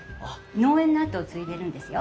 農園の後を継いでるんですよ。